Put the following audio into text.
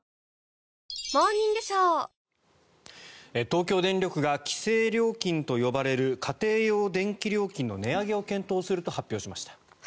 東京電力が規制料金と呼ばれる家庭用電気料金の値上げを検討すると発表しました。